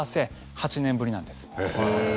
８年ぶりなんです。